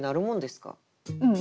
うん。